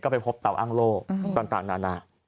ก็ไปพบเตาอ้างโลกต่างในอนาคต